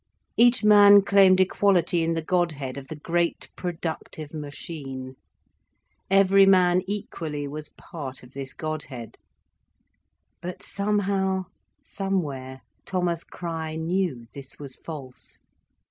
Each man claimed equality in the Godhead of the great productive machine. Every man equally was part of this Godhead. But somehow, somewhere, Thomas Crich knew this was false.